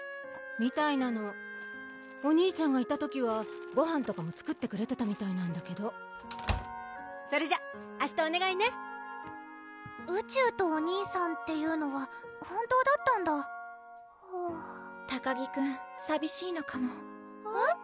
みたいなのお兄ちゃんがいた時はごはんとかも作ってくれてたみたいなんだけどそれじゃ明日おねがいね宇宙とお兄さんっていうのは本当だったんだ高木くんさびしいのかもえっ？